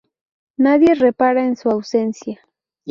Nadie repara en su ausencia.